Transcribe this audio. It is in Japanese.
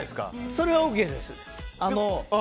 それはＯＫです。